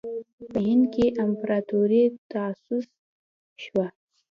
په هند کې امپراطوري تأسیس شوه.